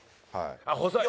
あっ細い！